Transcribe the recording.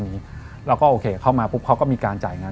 เราก็โอเคเข้ามาปุ๊บเขาก็มีการจ่ายงาน